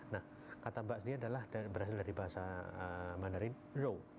nah kata bak sendiri adalah berasal dari bahasa mandary row